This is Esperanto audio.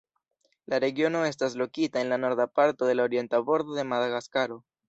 La regiono estas lokita en la norda parto de la orienta bordo de Madagaskaro.